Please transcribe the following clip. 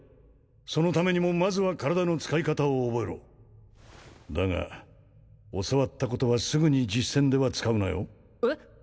そのためにもまずは体の使い方を覚えろだが教わったことはすぐに実戦では使うなよえっ？